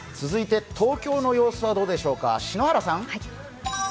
続いて東京の様子はどうでしょうか。